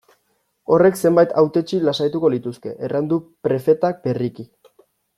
Horrek zenbait hautetsi lasaituko lituzke, erran du prefetak berriki.